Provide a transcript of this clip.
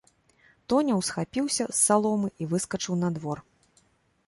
Тоня ўсхапіўся з саломы і выскачыў на двор.